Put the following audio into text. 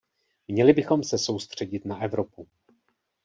Měli bychom se soustředit na Evropu.